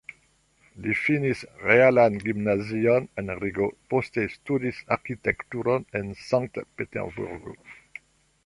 Li finis realan gimnazion en Rigo, poste studis arkitekturon en Sankt-Peterburgo.